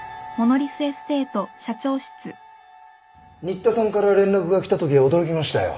・新田さんから連絡が来たときは驚きましたよ。